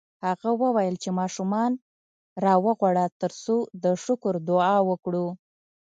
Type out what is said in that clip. هغه وویل چې ماشومان راوغواړه ترڅو د شکر دعا وکړو